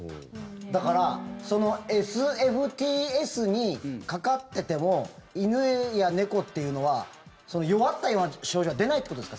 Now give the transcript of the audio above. だからそのＳＦＴＳにかかってても犬や猫というのは弱ったような症状は出ないということですか？